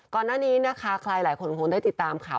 ก่อนหน้านี้นะคะใครหลายคนคงได้ติดตามข่าว